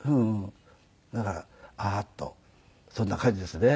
だからあーっとそんな感じですね。